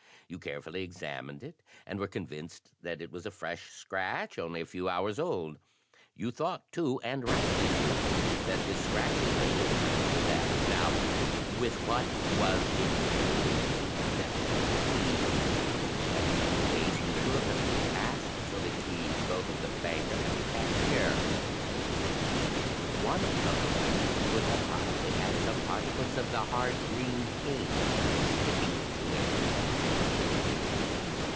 You carefully examined it, and were convinced that it was a fresh scratch, only a few hours old. You thought too, and rightly too, that this scratch was made at the time of the theft. Now, with what was it made? Evidently with a key. That being the case, you should have asked for the keys both of the banker and the cashier. One of them would have probably had some particles of the hard green paint sticking to it."